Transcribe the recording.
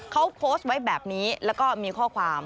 เขาโพสต์ไว้แบบนี้แล้วก็มีข้อความ